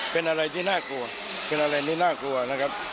เป็นอะไรที่น่ากลัวเป็นอะไรไม่น่ากลัวนะครับ